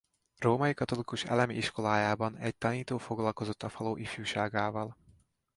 Római katolikus elemi iskolájában egy tanító foglalkozott a falu ifjúságával.